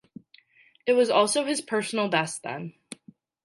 It was also his personal best then.